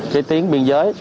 khi tiến biên giới